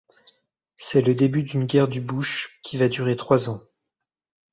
C'est le début d'une guerre du bush qui va durer trois ans.